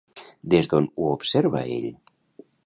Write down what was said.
I des d'on ho observa ell?